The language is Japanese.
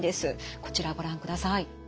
こちらご覧ください。